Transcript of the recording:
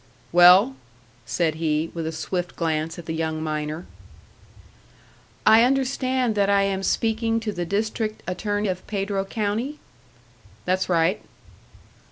"Well?" said he, with a swift glance at the young miner. "I understand that I am speaking to the District Attorney of Pedro County?" "That's right."